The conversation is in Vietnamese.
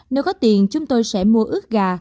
nếu có tiền chúng tôi sẽ mua ướt gà